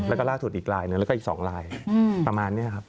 แล้วก็ล่าสุดอีกลายหนึ่งแล้วก็อีก๒ลายประมาณนี้ครับ